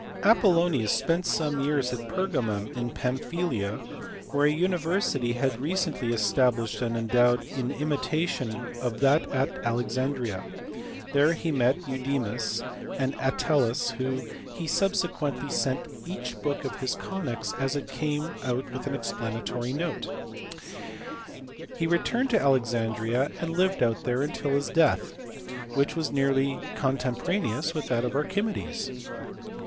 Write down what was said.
Apollonius spent some years at Pergamum in Pamphylia, where a university had been recently established and endowed in imitation of that at Alexandria. There he met Eudemus and Attains to whom he subsequently sent each book of his conies as it came out with an explanatory note. He returned to Alexandria, and lived there till his death, which was nearly contemporaneous with that of Archimedes.